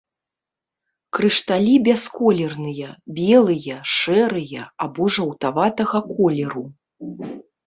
Крышталі бясколерныя, белыя, шэрыя або жаўтаватага колеру.